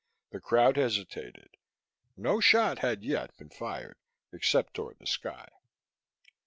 The crowd hesitated. No shot had yet been fired, except toward the sky.